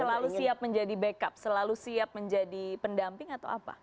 selalu siap menjadi backup selalu siap menjadi pendamping atau apa